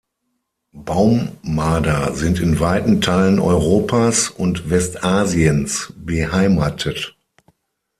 Baummarder sind in weiten Teilen Europas und Westasiens beheimatet.